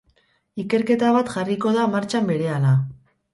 Ikerketa bat jarriko da martxan berehala.